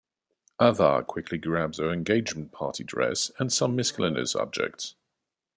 Ava quickly grabs her engagement party dress and some miscellaneous objects.